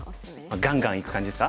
ガンガンいく感じですか？